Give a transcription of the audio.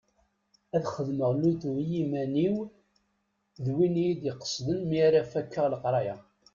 Ad xedmeɣ lutu i yiman-iw d win iyi-id-iqesden mi ara fakeɣ leqraya.